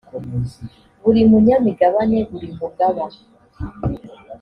buri munyamigabane buri mugaba